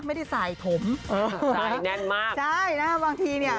ไม่ได้ใส่ถมใส่แน่นมากใช่นะครับบางทีเนี่ย